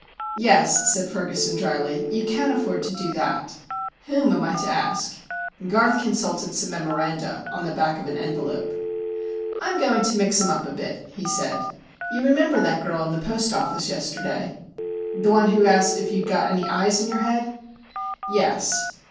"Yes," said Ferguson, drily, "you can afford to do that. Whom am I to ask?" Garth consulted some memoranda on the back of an envelope. "I'm going to mix 'em up a bit," he said. "You remember that girl in the post office yesterday?" "The one who asked if you'd got any eyes in your head?" "Yes.